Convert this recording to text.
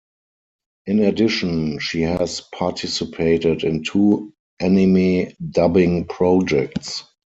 In addition, she has participated in two anime dubbing projects.